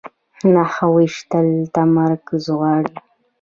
نښه ویشتل تمرکز غواړي